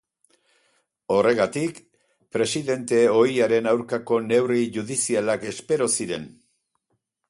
Horregatik, presidente ohiaren aurkako neurri judizialak espero ziren.